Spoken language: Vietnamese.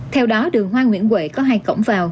theo đó đường hoa nguyễn huệ có hai cổng vào